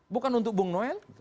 bukan untuk bung noel